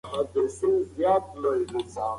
هغوی په ښوونځي کې لوبې هم کوي.